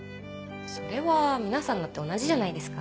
それは皆さんだって同じじゃないですか。